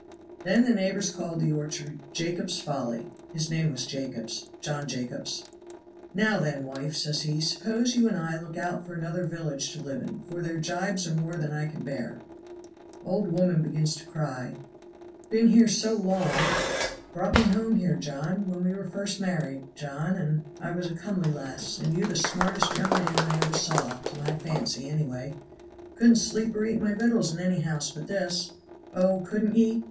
Then the neighbors called the orchard 'Jacobs' Folly;' his name was Jacobs John Jacobs. 'Now then, wife,' says he, 'suppose you and I look out for another village to live in, for their gibes are more than I can bear.' Old woman begins to cry. 'Been here so long brought me home here, John when we were first married, John and I was a comely lass, and you the smartest young man I ever saw, to my fancy any way; couldn't sleep or eat my victuals in any house but this.' "'Oh! couldn't ye?